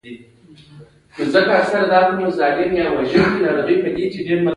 غریب د زړه له کومي دعا کوي